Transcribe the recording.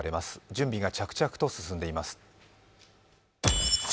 準備が着々と進んでいます。